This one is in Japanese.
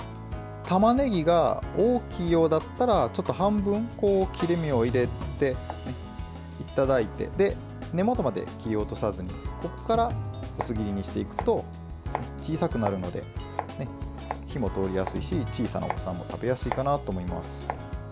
たまねぎが大きいようだったらちょっと半分、切れ目を入れて根元まで切り落とさずにここから薄切りしていくと小さくなるので火も通りやすいし小さなお子さんも食べやすいかなと思います。